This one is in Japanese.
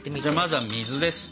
まずは水です。